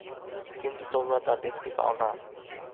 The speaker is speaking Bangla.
কিন্তু তোমরা তা দেখতে পাওনা।